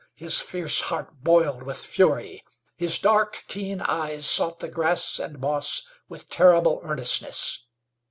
His fierce heart boiled with fury. His dark, keen eyes sought the grass and moss with terrible earnestness.